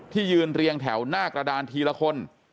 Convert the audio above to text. ยืนเรียงแถวหน้ากระดานทีละคน